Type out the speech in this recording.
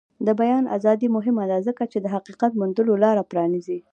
د بیان ازادي مهمه ده ځکه چې د حقیقت موندلو لاره پرانیزي.